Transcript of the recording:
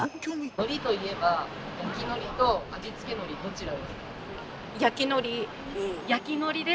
のりといえば「焼きのり」と「味付けのり」どちらですか？